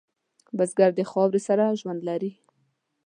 بزګر د خاورې سره ژوند لري